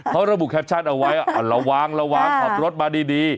เขาระบุแคปชั่นเอาไว้ระวังระวังขับรถมาดี